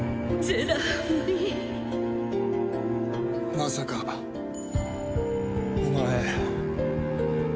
まさかお前。